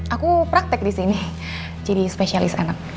aku praktek disini jadi spesialis anak